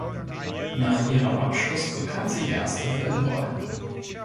Nach ihrem Abschluss bekam sie erste Filmrollen.